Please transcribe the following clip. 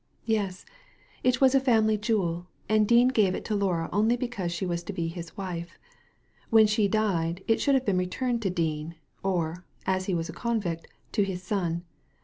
''Yes; it was a family jewel, and Dean gave it to Laura only because she was to be lus wife. When she died, it should have been returned to Dean — or, as he was a convict — to his son.